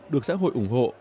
được xã hội ủng hộ